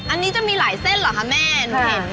อันนี้จะมีหลายเส้นเหรอคะแม่หนูเห็น